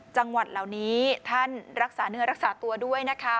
จังหวัดเหล่านี้ท่านรักษาเนื้อรักษาตัวด้วยนะคะ